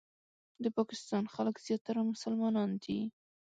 د پاکستان خلک زیاتره مسلمانان دي.